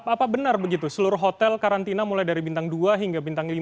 apa benar begitu seluruh hotel karantina mulai dari bintang dua hingga bintang lima